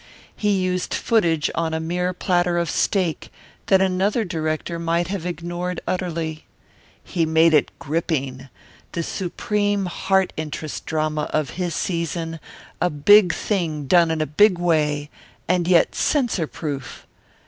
He used footage on a mere platter of steak that another director might have ignored utterly. He made it gripping the supreme heart interest drama of his season a big thing done in a big way, and yet censor proof.